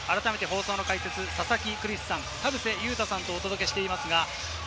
解説は佐々木クリスさん、田臥勇太さんとお届けしています。